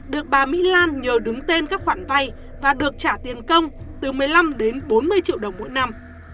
được bà mỹ lan nhờ đứng tên các khoản vay và được trả tiền công từ một mươi năm đến bốn mươi triệu đồng mỗi năm